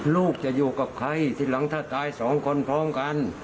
ลูกจะอยู่กับใครทีหลังถ้าตายสองคนพร้อมกัน